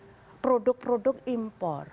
jual adalah produk produk impor